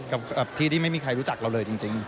กับที่ที่ไม่มีใครรู้จักเราเลยจริง